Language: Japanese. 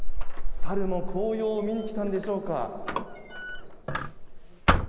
サルも紅葉を見に来たんでしょうか。